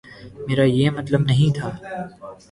میرا یہ مطلب نہیں تھا۔